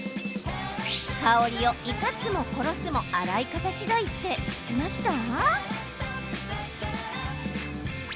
香りを生かすも殺すも洗い方しだいって知っていました？